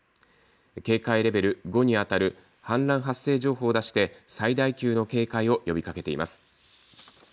警戒レベル５にあたる氾濫発生情報を出して最大級の警戒を呼びかけています。